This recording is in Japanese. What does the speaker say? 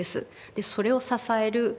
それを支える気骨